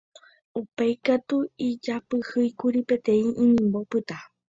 Upéi katu ijapyhýkuri peteĩ inimbo pytã.